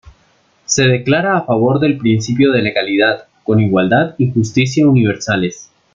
Se declara a favor del principio de legalidad, con igualdad y justicia universales.